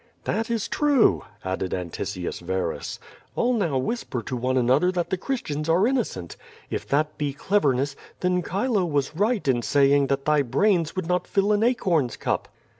"That is true," added Antiscius Verus; "all now whisper to one another that the Christians are innocent. If that be clev erness, then Chilo was right in saying that thy brains would not fill an acorn's cup."